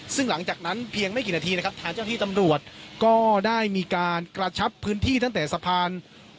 ซึ่งหลังจากนั้นเพียงไม่กี่นาทีนะครับทางเจ้าที่ตำรวจก็ได้มีการกระชับพื้นที่ตั้งแต่สะพาน